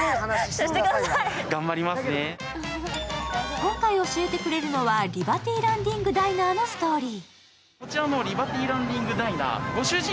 今回教えてくれるのはリバティ・ランディング・ダイナーのストーリー。